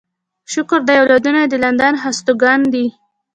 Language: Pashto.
شکر دی اولادونه يې د لندن هستوګن دي.